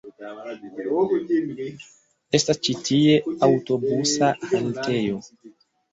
Estas ĉi tie aŭtobusa haltejo.